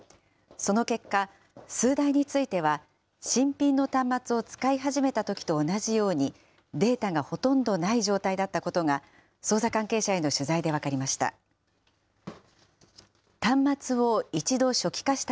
その結果、数台については、新品の端末を使い始めたときと同じように、データがほとんどない状態だったことが、捜査関係者への取材で分かりました。